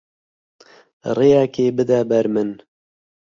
Rêyekê bide ber min.